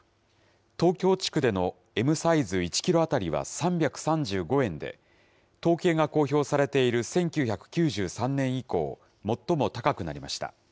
東京地区でのＭサイズ１キロ当たりは３３５円で、統計が公表されている１９９３年以降、最も高くなりました。